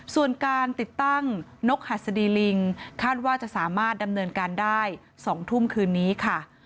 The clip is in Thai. ส่วนการติดตั้งนกหัสดีลิงคาดว่าจะสามารถดำเนินการได้๒ทุ่มคืนนี้ค่ะ